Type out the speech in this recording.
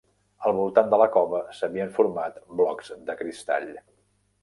Al voltant de la cova s'havien format blocs de cristall.